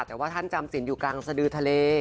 แต่ว่าท่านจำสินอยู่กลางสดือทะเล